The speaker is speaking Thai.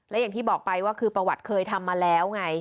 และอย่างที่บอกไปว่าคือประวัติเคยทำมาแล้วไง